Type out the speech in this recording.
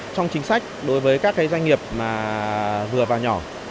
trong chính sách đối với các doanh nghiệp vừa và nhỏ